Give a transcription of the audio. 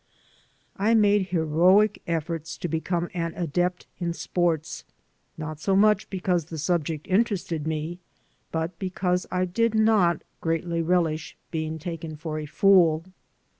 . I made heroic efforts to become an adept in sports, not so much because the subject interested me, but because I did not greatly relish being taken for a fool.